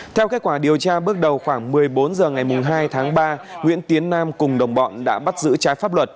theo kết quả điều tra bước đầu khoảng một mươi bốn h ngày hai tháng ba nguyễn tiến nam cùng đồng bọn đã bắt giữ trái pháp luật